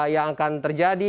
yang akan terjadi